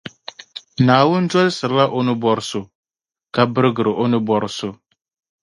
Naawuni dɔlisirila o ni bɔri so, ka barigiri o ni bɔri so.